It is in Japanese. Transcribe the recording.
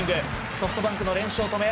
ソフトバンクの連勝を止め